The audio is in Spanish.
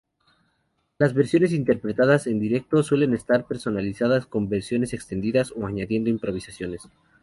Las versiones interpretadas en directo suelen estar personalizadas con versiones extendidas o añadiendo improvisaciones.